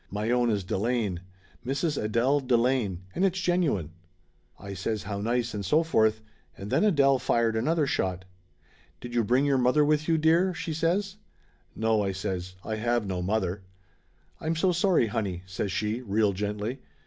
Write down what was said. My own is De lane. Mrs. Adele Delane; and it's genuine." I says how nice and so forth, and then Adele fired another shot. "Did you bring your mother with you, dear?" she says. "No," I says ; "I have no mother." "I'm so sorry, honey," says she, real gently.